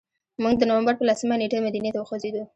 موږ د نوامبر په لسمه نېټه مدینې ته وخوځېدو.